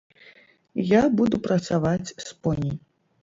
Я буду працаваць з поні.